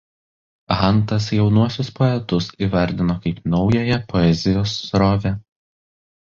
Hantas jaunuosius poetus įvardino kaip naująją poezijos srovę.